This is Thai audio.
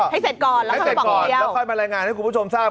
ให้เสร็จก่อนแล้วก็มารายงานให้คุณผู้ชมทราบ